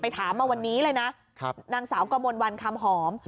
ถามมาวันนี้เลยนะนางสาวกมลวันคำหอม